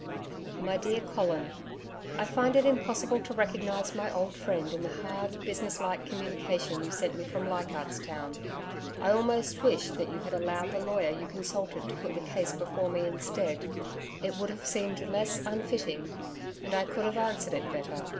MY DEAR COLIN, I find it impossible to recognise my old friend in the hard, businesslike communication you sent me from Leichardt's Town. I almost wish that you had allowed the lawyer you consulted to put the case before me instead; it would have seemed less unfitting, and I could have answered it better.